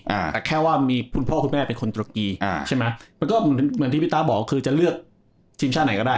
อ่าแต่แค่ว่ามีคุณพ่อคุณแม่เป็นคนตุรกีอ่าใช่ไหมมันก็เหมือนเหมือนที่พี่ตาบอกคือจะเลือกทีมชาติไหนก็ได้